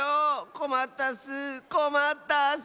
こまったッスこまったッス！